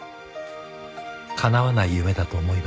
かなわない夢だと思いますけど。